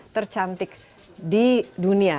tercantik di dunia